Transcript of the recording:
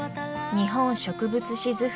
「日本植物志図譜」